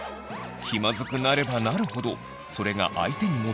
気まずくなればなるほどそれが相手にも伝染。